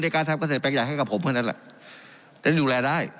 ในการทำเกษตรแปลงใหญ่ให้กับผมเพื่อนล่ะจะได้ดูแลได้